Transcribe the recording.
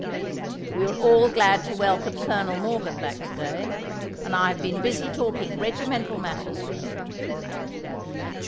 "We were all glad to welcome Colonel Morgan back to day, and I have been busy talking regimental matters with him.